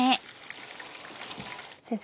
先生